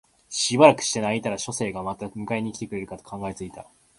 しばらくして泣いたら書生がまた迎えに来てくれるかと考え付いた